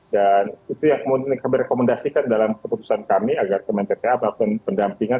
dan itu yang kami rekomendasikan dalam keputusan kami agar kementerian ppa melakukan pendampingan